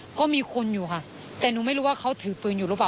ส่วนรถที่นายสอนชัยขับอยู่ระหว่างการรอให้ตำรวจสอบ